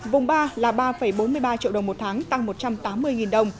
vùng ba là ba bốn mươi ba triệu đồng một tháng tăng một trăm tám mươi đồng